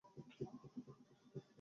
তাই তোমার বন্ধুকে বলেছ তাকে ফোন করতে।